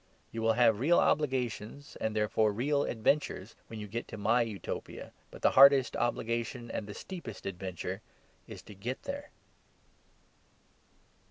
"You will have real obligations, and therefore real adventures when you get to my Utopia. But the hardest obligation and the steepest adventure is to get there."